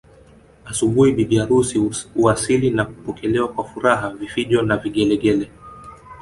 Asubuhi bibi harusi huwasili na kupokelewa kwa furaha vifijo na vigelegele